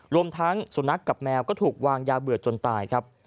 รวมทั้งสุนัขกับแมวก็ถูกวางยาเบื่อจนตายครับ